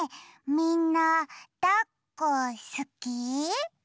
みんなだっこすき？